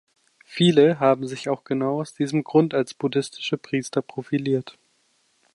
Viele haben sich auch genau aus diesem Grund als buddhistische Priester profiliert.